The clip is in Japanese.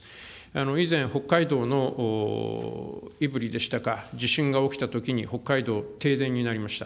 以前、北海道の胆振でしたか、地震が起きたときに、北海道、停電になりました。